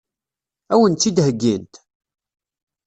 Ad wen-tt-id-heggint?